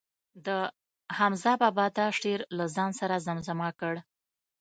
د حمزه بابا دا شعر له ځان سره زمزمه کړ.